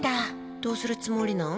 どうするつもりなん？